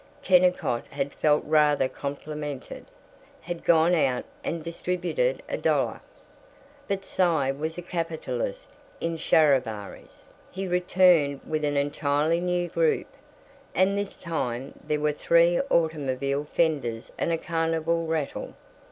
Kennicott had felt rather complimented; had gone out and distributed a dollar. But Cy was a capitalist in charivaris. He returned with an entirely new group, and this time there were three automobile fenders and a carnival rattle.